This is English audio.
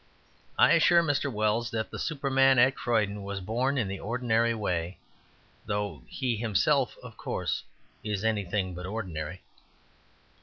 I assure Mr. Wells that the Superman at Croydon was born in the ordinary way, though he himself, of course, is anything but ordinary.